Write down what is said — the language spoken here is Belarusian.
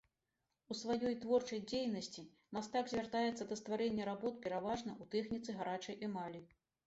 У сваёй творчай дзейнасці мастак звяртаецца да стварэння работ пераважна у тэхніцы гарачай эмалі.